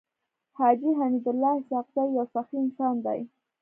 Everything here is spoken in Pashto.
حاجي حميدالله اسحق زی يو سخي انسان دی.